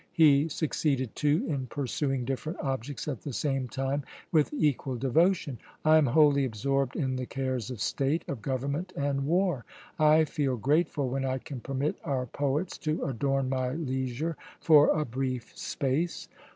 He succeeded, too, in pursuing different objects at the same time with equal devotion. I am wholly absorbed in the cares of state, of government, and war. I feel grateful when I can permit our poets to adorn my leisure for a brief space.